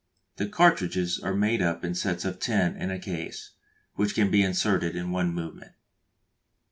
The cartridges are made up in sets of ten in a case, which can be inserted in one movement.